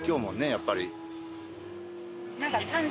やっぱり。